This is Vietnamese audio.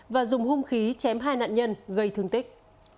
và dùng hung khí chém hai nạn nhân gây thương tích